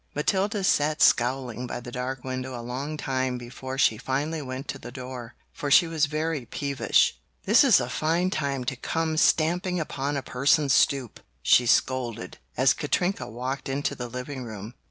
Matilda sat scowling by the dark window a long time before she finally went to the door, for she was very peevish. "This is a fine time to come stamping upon a person's stoop!" she scolded, as Katrinka walked into the living room.